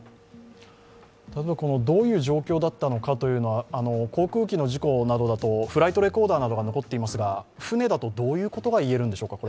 どういう状況だったのかというのは、航空機の事故などだとフライトレコーダーが残っていますが、船だと、どういうことがいえるんでしょうか？